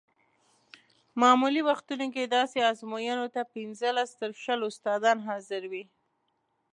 معمولي وختونو کې داسې ازموینو ته پنځلس تر شلو استادان حاضر وي.